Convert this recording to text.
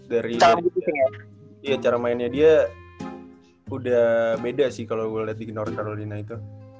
dari cara mainnya dia udah beda sih kalo gue liat di north carolina itu